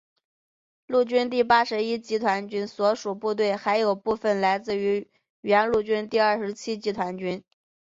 陆军第八十一集团军所属部队还有部分来自原陆军第二十七集团军。